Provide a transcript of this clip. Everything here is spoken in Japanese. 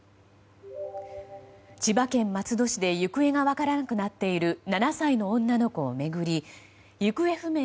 千葉県松戸市で行方が分からなくなっている７歳の女の子を巡り行方不明